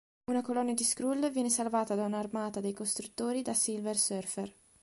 Una colonia di Skrull viene salvata da una armata dei Costruttori da Silver Surfer.